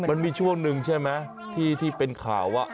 มันมีช่วงหนึ่งใช่ไหมที่เป็นข่าวว่า